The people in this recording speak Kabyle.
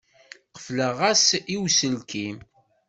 Qefleɣ-as i uselkim.